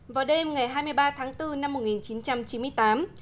vào đêm ngày hai mươi ba tháng bốn năm một nghìn chín trăm chín mươi tám